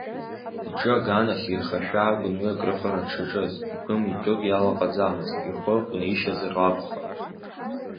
Иҿы аганахь ирхашәа акәын уи акрыфара дшаҿыз, игәы митәык иалаҟаӡамызт, ихәы ҟәнишьазар акәхап…